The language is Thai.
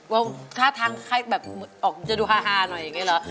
ว่าท่าทางแบบออกจะดูฮาหน่อยอย่างนี้เหรอ